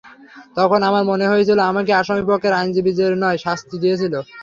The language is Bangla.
তখন আমার মনে হয়েছিল, আমাকে আসামিপক্ষের আইনজীবী জেরা নয়, শাস্তি দিয়েছিল।